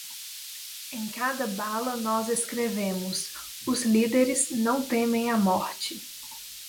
Em cada bala nós escrevemos: os líderes não temem a morte